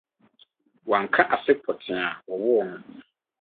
Wanka afe pɔtee a wɔwoo no.